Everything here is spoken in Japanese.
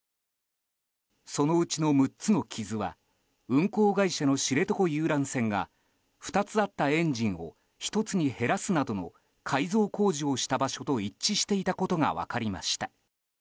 そのうちの６つの傷は運航会社の知床遊覧船が２つあったエンジンを１つに減らすなどの改造工事をした場所と一致していたことが分かりました。